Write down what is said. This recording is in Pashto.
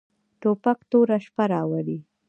توپک توره شپه راولي.